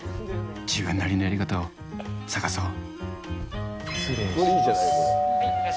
自分なりのやり方を探そう。